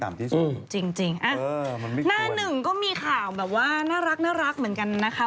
เออมันไม่ควรหน้าหนึ่งก็มีข่าวแบบว่าน่ารักเหมือนกันนะคะ